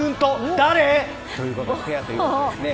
誰？ということでペアということですね。